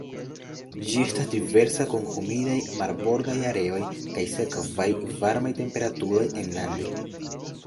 Ĝi estas diversa kun humidaj marbordaj areoj kaj sekaj varmaj temperaturoj enlande.